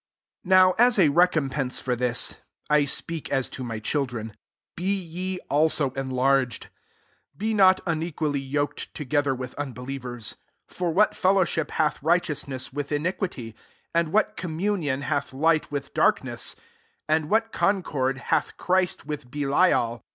13 Now as a recompense for this, (I speak as to my child ren,) be ye also enlarged. 14 Be not unequally yoked to gether with unbelievers : for what fellowship hath righteous ness with iniquity? and what communion hath light with darkness ? 15 and what concord hath Christ with Belial?